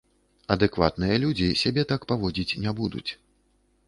Адэкватныя людзі сябе так паводзіць не будуць.